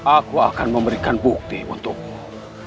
aku akan memberikan bukti untukmu